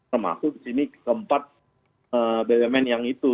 termasuk di sini keempat bumn yang itu